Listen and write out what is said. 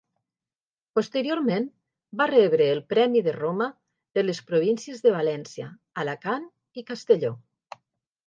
Posteriorment, va rebre el Premi de Roma de les províncies de València, Alacant i Castelló.